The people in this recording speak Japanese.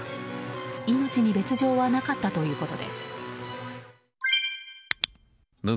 命に別条はなかったということです。